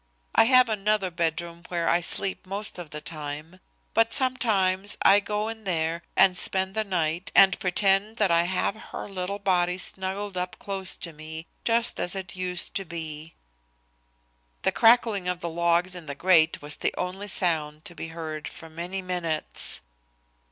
I have another bedroom where I sleep most of the time. But sometimes I go in there and spend the night, and pretend that I have her little body snuggled up close to me just as it used to be." The crackling of the logs in the grate was the only sound to be heard for many minutes.